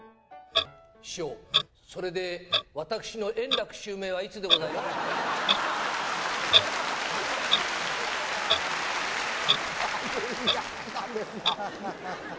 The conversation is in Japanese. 師匠、それで私の円楽襲名はいつでございましょうか？